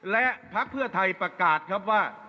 และพักเพื่อไทยประกาศครับว่า